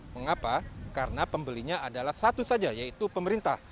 mengapa karena pembelinya adalah satu saja yaitu pemerintah